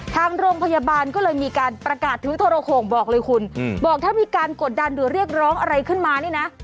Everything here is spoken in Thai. ทางโรงพยาบาลก็เลยมีการประกาศถือโทรโข่งบอกเลยคุณบอกถ้ามีการกดดันหรือเรียกร้องอะไรขึ้นมานี่นะ